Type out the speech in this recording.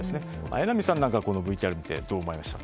榎並さんなんかは、このＶＴＲを見てどう思いましたか？